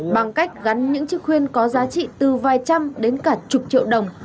bằng cách gắn những chiếc khuyên có giá trị từ vài trăm đến cả chục triệu đồng